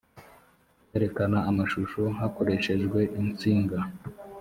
kwerekana amashusho hakoreshejwe insinga